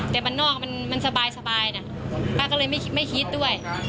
แต่บ้านนอกมันสบายนะป้าก็เลยไม่คิดด้วย